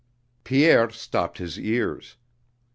Pierre stopped his ears.